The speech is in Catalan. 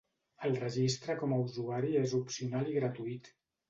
El registre com a usuari és opcional i gratuït.